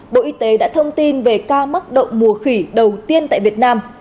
bộ y tế đã thông tin về ca mắc đậu mùa khỉ đầu tiên tại việt nam